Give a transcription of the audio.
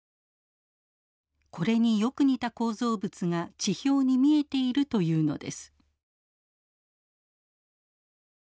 これによく似た構造物が地表に見えているというのです。